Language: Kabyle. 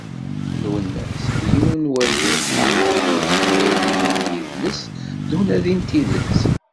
Lwennas, d yiwen n urgaz i yennuɣen ɣef teqbaylit d yidles, d unadi n tidet.